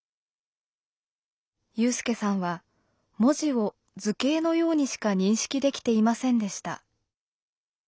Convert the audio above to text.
有さんは文字を図形のようにしか認識できていませんでした。